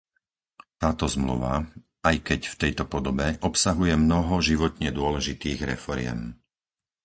Táto Zmluva, aj keď v takejto podobe, obsahuje mnoho životne dôležitých reforiem.